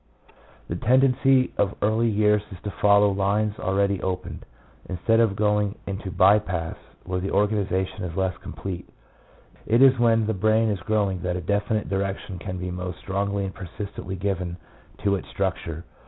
The tendency of early years is to follow lines already opened, instead of going into by paths where the organization is less complete. It is when the brain is growing that a definite direction can be most strongly and persistently given to its structure.